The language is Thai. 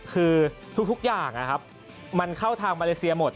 คือทุกอย่างมันเข้าทางมาเลเซียหมด